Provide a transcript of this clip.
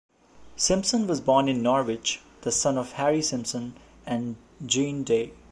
Simpson was born in Norwich, the son of Harry Simpson and Jean Day.